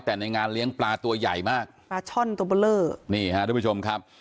แต่ในงานเลี้ยงปลาตัวใหญ่มากปลาช่อนตัวเบอร์เลอร์นี่ฮะทุกผู้ชมครับ